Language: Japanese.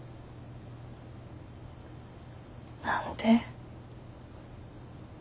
何で？